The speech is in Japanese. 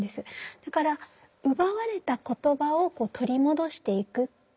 だから奪われた言葉を取り戻していくっていう。